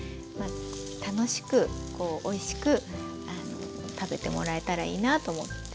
楽しくおいしく食べてもらえたらいいなと思って。